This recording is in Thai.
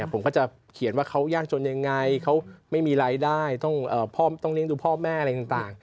ผมก็จะเขียนว่าเขายากจนยังไงเขาไม่มีรายได้ต้องเลี้ยงดูพ่อแม่อะไรต่าง